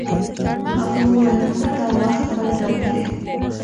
هغه وویل موږ ته وخت بل ډول دی.